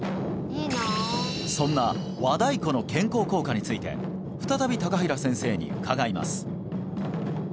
そんな和太鼓の健康効果について再び高平先生に伺います